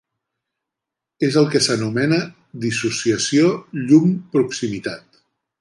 És el que s'anomena "dissociació llum-proximitat".